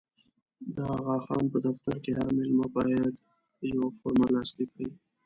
د اغا خان په دفتر کې هر مېلمه باید یوه فورمه لاسلیک کړي.